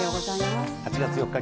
８月４日